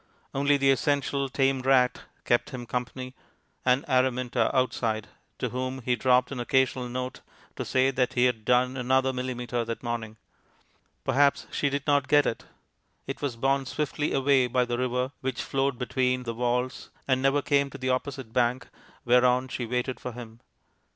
Only the essential tame rat kept him company, and Araminta outside, to whom he dropped an occasional note to say that he had done another millimetre that morning. Perhaps she did not get it; it was borne swiftly away by the river which flowed beneath the walls, and never came to the opposite bank, whereon she waited for him.